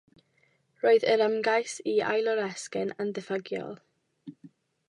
Roedd yr ymgais i ailoresgyn yn ddiffygiol.